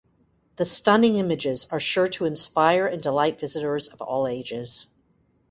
The stunning images are sure to inspire and delight visitors of all ages.